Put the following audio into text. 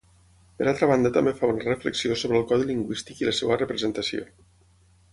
Per altra banda també fa una reflexió sobre el codi lingüístic i la seva representació.